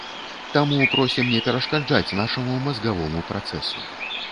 Таму просім не перашкаджаць нашаму мазгавому працэсу.